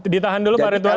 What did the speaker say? ditahan dulu pak retuan